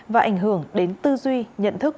và ảnh hưởng đến tư duy nhận thức